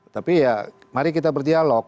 tapi ya mari kita berdialog